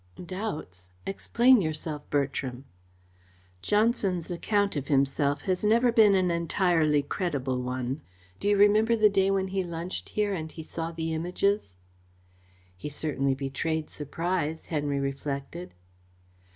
"Doubts? Explain yourself, Bertram." "Johnson's account of himself has never been an entirely credible one. Do you remember the day when he lunched here and he saw the Images?" "He certainly betrayed surprise," Henry reflected.